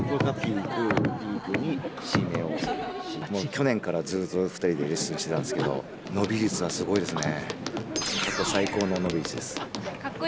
去年からずっと２人でレッスンしてたんですけど伸び率がすごいですね。